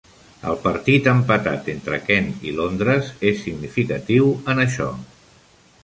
El partit empatat entre Kent i Londres és significatiu en això.